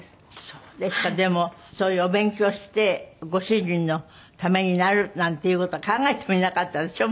でもそういうお勉強してご主人のためになるなんていう事は考えてもいなかったでしょう？